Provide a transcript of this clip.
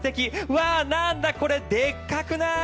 わあ、なんだこれでっかくない？